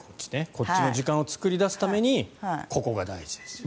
こっちの時間を作り出すためにここが大事ですよ。